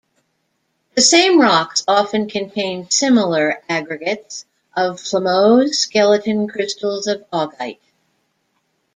The same rocks often contain similar aggregates of plumose skeleton crystals of augite.